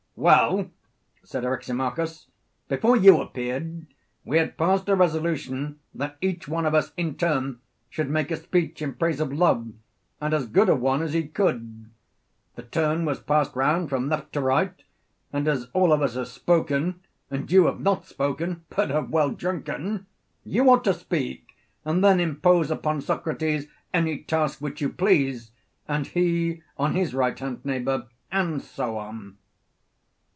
Well, said Eryximachus, before you appeared we had passed a resolution that each one of us in turn should make a speech in praise of love, and as good a one as he could: the turn was passed round from left to right; and as all of us have spoken, and you have not spoken but have well drunken, you ought to speak, and then impose upon Socrates any task which you please, and he on his right hand neighbour, and so on.